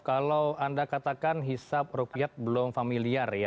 kalau anda katakan hisap ruqyah belum familiar ya